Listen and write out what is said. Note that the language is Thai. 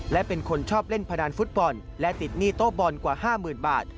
และเป็นคนชอบเล่นพนันฟุตบอลและติดหนี้โต๊ะบอลกว่า๕๐๐๐บาท